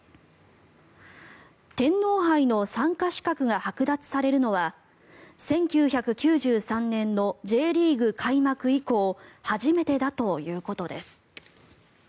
天皇杯の参加資格がはく奪されるのは１９９３年のＪリーグ開幕以降初めてだということです。